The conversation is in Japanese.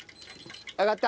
揚がった？